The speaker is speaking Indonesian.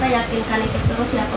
namanya penjahat itu penjahat saja